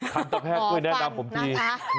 คัทต๊ะแพทย์ก็ไม่แนะนำผมที่